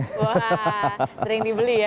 wah sering dibeli ya